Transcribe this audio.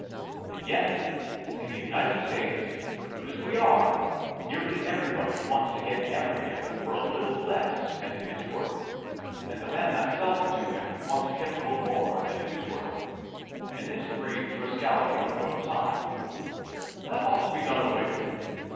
And yet, in the United States, good as we are, nearly everybody wants to get everything for a little less than it is worth, and the man that sells it to him wants to get a little more than it is worth? and this breeds rascality on both sides. That ought to be done away with.